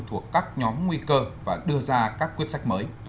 thuộc các nhóm nguy cơ và đưa ra các quyết sách mới